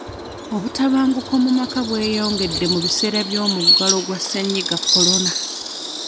Obutabanguko mu maka bweyongedde mu biseera by'omuggalo gwa ssenyiga kolona.